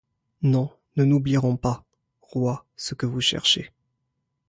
Non, nous n'oublierons pas ! Rois, ce que vous cherchez